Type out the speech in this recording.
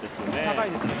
高いですね。